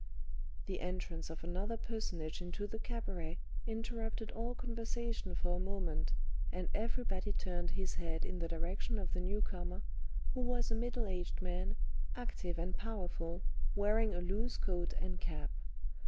The entrance of another personage into the cabaret interrupted all conversation for a moment, and everybody turned his head in the direction of the newcomer, who was a middle aged man, active and powerful, wearing a loose coat and cap.